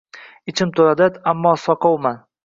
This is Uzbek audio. Ichim to‘la dard, ammo soqovman.